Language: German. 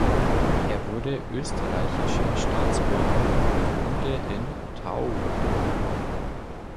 Er wurde österreichischer Staatsbürger und wohnte in Thaur.